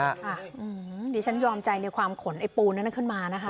อื้อหือนี่ฉันยอมใจในความขนไอ้ปูนั้นน่ะขึ้นมานะครับ